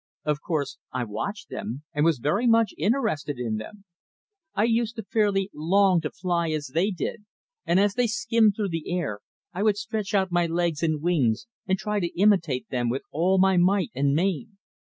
Of course, I watched them and was very much interested in them. I used to fairly long to fly as they did, and as they skimmed through the air I would stretch out my legs and wings and try to imitate them with all my might and main.